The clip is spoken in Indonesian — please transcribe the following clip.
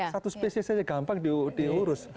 satu spesies saja gampang diurus